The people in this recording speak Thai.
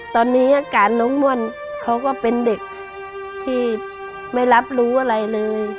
ตอนนี้อาการน้องม่วนเขาก็เป็นเด็กที่ไม่รับรู้อะไรเลย